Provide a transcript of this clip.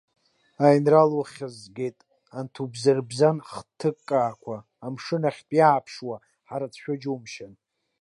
Аинрал уххь згеит, анҭ убзарбзан хҭыккақәа амшын ахьтә иааԥшуа ҳрыцәшәо џьумшьан!